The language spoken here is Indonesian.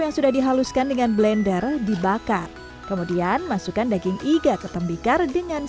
yang sudah dihaluskan dengan blender dibakar kemudian masukkan daging iga ke tembikar dengan